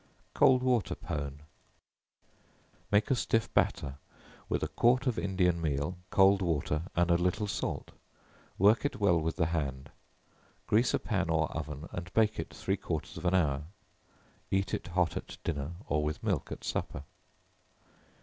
Cold Water Pone. Make a stiff batter with a quart of Indian meal, cold water and a little salt; work it well with the hand; grease a pan or oven, and bake it three quarters of an hour. Eat it hot at dinner, or with milk at supper.